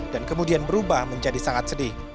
dan kemudian berubah menjadi sangat sedih